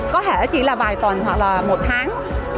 có thể chỉ là vài tuần hoặc là một tháng